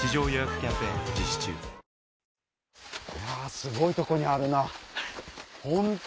すごいとこにあるな本当！